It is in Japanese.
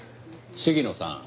鴫野さん